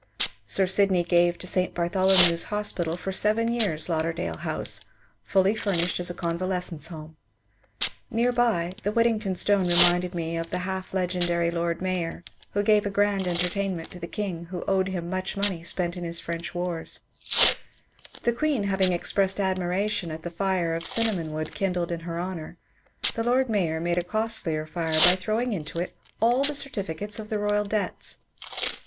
Sir Sydney gave to St. Bartholomew's Hospital for seven years Lauderdale House, fully furnished as a convalescents' home. Near by, the Whit tington Stone reminded me of the half legendaiy lord mayor who gave a grand entertainment to the King who owed him much money spent in his French wars; the Queen having expressed admiration at the fire of cinnamon wood kindled in her honour, the lord mayor made a costlier fire by throwing into it all certificates of the royal debts.